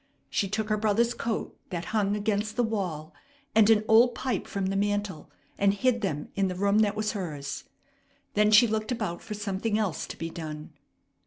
She took her brother's coat that hung against the wall, and an old pipe from the mantle, and hid them in the room that was hers. Then she looked about for something else to be done.